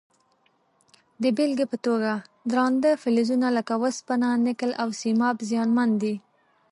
د بیلګې په توګه درانده فلزونه لکه وسپنه، نکل او سیماب زیانمن دي.